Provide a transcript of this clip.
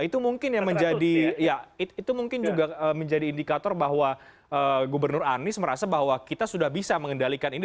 itu mungkin juga menjadi indikator bahwa gubernur anies merasa bahwa kita sudah bisa mengendalikan ini